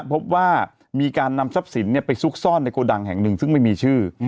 พบว่ามีการนำทรัพย์สินไปซุกซ่อนในโกดังแห่งหนึ่งซึ่งไม่มีชื่อ